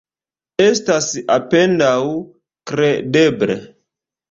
Estas apendaŭ kredeble.